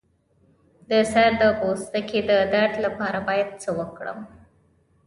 د سر د پوستکي د درد لپاره باید څه وکړم؟